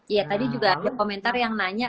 iya tadi juga ada komentar yang nanya